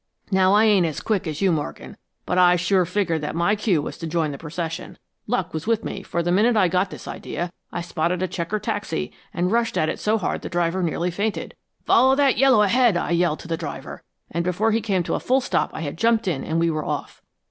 "Now, I ain't as quick as you, Morgan, but I sure figured that my cue was to join the procession. Luck was with me, for the minute I got this idea I spotted a Checker taxi and rushed at it so hard the driver nearly fainted. 'Follow that Yellow ahead!' I yelled to the driver, and before he came to a full stop I had jumped in and we were off."